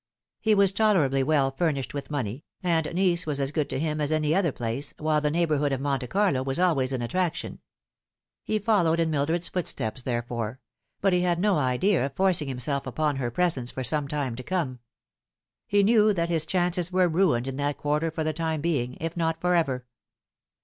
He was tolerably well furnished with money, and Nice was as good to him as any other place, while the neighbourhood of Monte Carlo was always an attraction. He followed in Mildred's footsteps, therefore ; but he had no idea of forcing himself upon her presence for some time to come. He knew that his chances were ruined in that quarter for the time being, if not for ever.